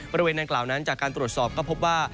บริเวณดังกล่าวนั้นจากการตรวจสอบก็พบว่า